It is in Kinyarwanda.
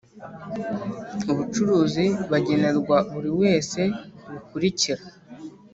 Ubucuruzi bagenerwa buri wese ibi bikurikira